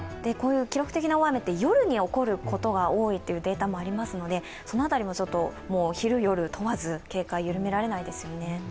記録的な大雨って夜に起こることが多いというデータもありますのでそのあたりも昼、夜問わず警戒弱められないですね。